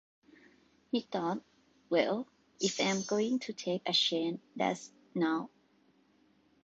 He thought, 'Well, if I'm going to take a chance, that's enough.